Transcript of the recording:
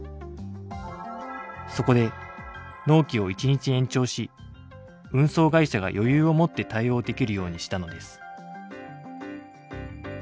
そこで納期を１日延長し運送会社が余裕をもって対応できるようにしたのです。